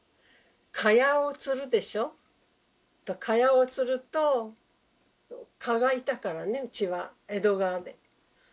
蚊帳をつると蚊がいたからねうちは江戸川で。